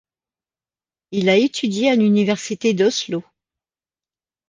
Il a étudié à l'Université d'Oslo.